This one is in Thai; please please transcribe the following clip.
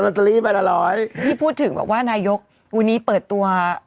เตอรี่ใบละร้อยที่พูดถึงบอกว่านายกวันนี้เปิดตัว